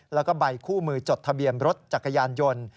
แล้วก็ใบคู่มือจดทะเบียนรถจักรยานยนต์